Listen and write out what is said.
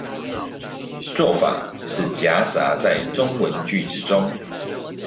做法是夾雜在中文句子中